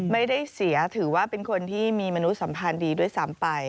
ไม่ได้เสียถือว่าเป็นคนที่มีมนุษยสัมพันธ์ดีด้วยซ้ำไป